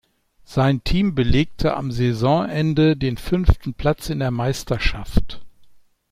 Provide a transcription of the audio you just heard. Sein Team belegte am Saisonende den fünften Platz in der Meisterschaft.